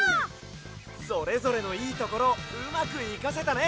それぞれのいいところをうまくいかせたね！